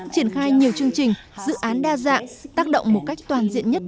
triển khai nhiều chương trình dự án đa dạng tác động một cách toàn diện nhất